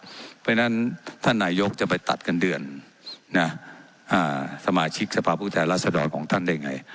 เพราะฉะนั้นท่านนายกจะไปตัดเงินเดือนสมาชิกสภาพผู้แทนรัศดรของท่านได้ไง